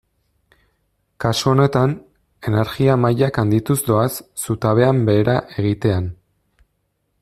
Kasu honetan, energia-mailak handituz doaz zutabean behera egitean.